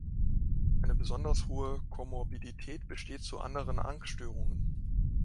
Eine besonders hohe Komorbidität besteht zu anderen Angststörungen.